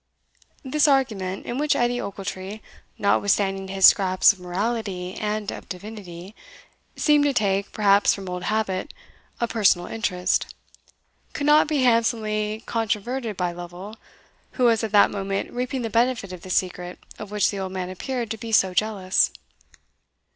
This argument, in which Edie Ochiltree, notwithstanding his scraps of morality and of divinity, seemed to take, perhaps from old habit, a personal interest, could not be handsomely controverted by Lovel, who was at that moment reaping the benefit of the secret of which the old man appeared to be so jealous.